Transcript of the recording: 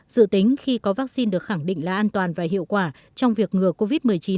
dự tính khi có vaccine được khẳng định là an toàn và hiệu quả trong việc ngừa covid một mươi chín